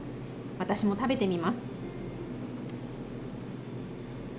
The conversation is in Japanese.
私も食べてみます。